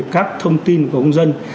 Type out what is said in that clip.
các thông tin của công dân